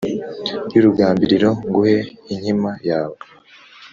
y’urugambiriro nguhe inkima yawe.’